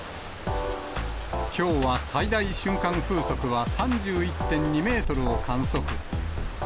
きょうは最大瞬間風速は３１．２メートルを観測。